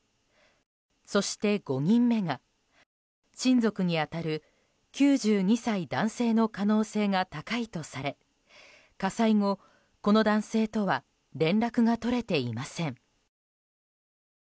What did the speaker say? そして５人目が親族に当たる９２歳男性の可能性が高いとされ火災後、この男性とは連絡が取れていません。